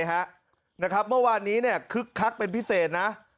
เมื่อวานนี้คึกคักเป็นพิเศษนะ